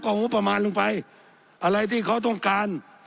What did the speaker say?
เอางบประมาณลงไปอะไรที่เขาต้องการ